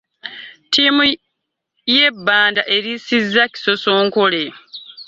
Tiimu ye bbanda esirisizza kisosonkole